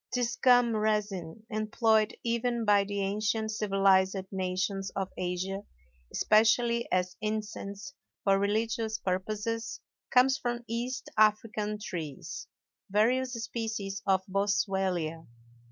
This gum resin, employed even by the ancient civilized nations of Asia, especially as incense for religious purposes, comes from East African trees, various species of Boswellia.